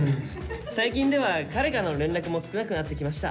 「最近では彼からの連絡も少なくなってきました。